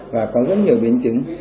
và có rất nhiều biến chứng